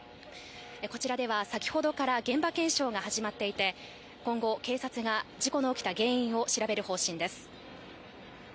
こちらでは先ほどから現場検証が始まっていて今後、警察が事故の起きた原因を調べる方針です。